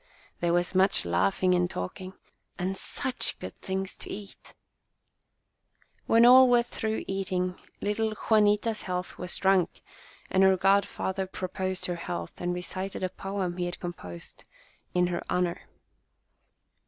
There was much laugh ing and talking, and such good things to eat ! When all were through eating, little Jua nita's health was drunk, and her godfather pro The Christening 9 posed her health, and recited a poem he had composed in her honour.